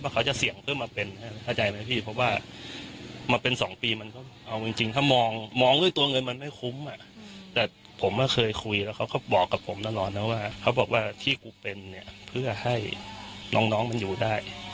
เขาบอกว่าที่กูเป็นเพื่อให้น้องมันอยู่ได้